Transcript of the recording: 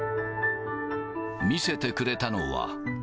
見せてくれたのは。